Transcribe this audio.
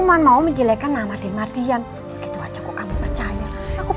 dina dina kenapa aku jadi seperti harimau